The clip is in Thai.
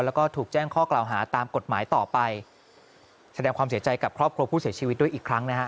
แล้วก็ถูกแจ้งข้อกล่าวหาตามกฎหมายต่อไปแสดงความเสียใจกับครอบครัวผู้เสียชีวิตด้วยอีกครั้งนะฮะ